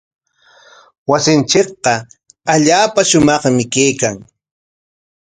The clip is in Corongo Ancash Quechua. Wasinchikqa allaapa shumaqmi kaykan.